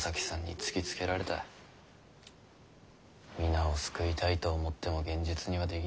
皆を救いたいと思っても現実にはできねぇ。